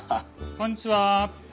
こんにちは。